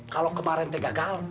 kalau kemarin teh gagal